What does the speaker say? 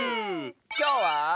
きょうは。